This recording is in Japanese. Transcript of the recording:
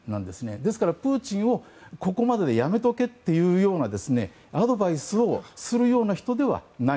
ですから、プーチンをここまででやめておけというアドバイスをするような人ではない。